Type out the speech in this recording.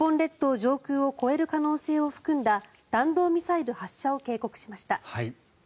上空を越える可能性を含んだ弾道ミサイル発射を警告しました。